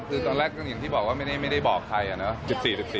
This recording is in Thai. คือตอนแรกที่บอกว่าไม่ได้บอกใคร